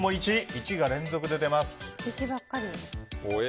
１が連続で出ます。